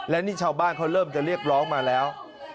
และนี่ชาวบ้านเขาเริ่มจะเรียกร้องมาแล้ว